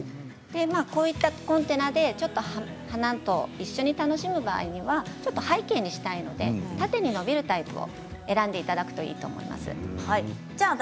こういったコンテナで花と一緒に楽しむ場合には背景にしたいので縦に伸びるタイプを選んで１つ選んでください。